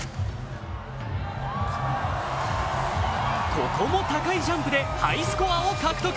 ここも高いジャンプでハイスコアを獲得。